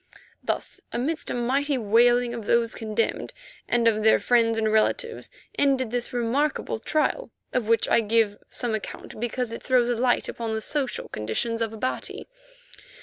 Thus amidst a mighty wailing of those concerned and of their friends and relatives ended this remarkable trial, of which I give some account because it throws light upon the social conditions of Abati.